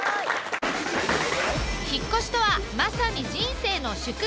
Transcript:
引っ越しとはまさに人生の縮図。